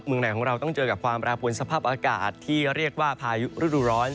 เมืองไหนของเราต้องเจอกับความแปรปวนสภาพอากาศที่เรียกว่าพายุฤดูร้อน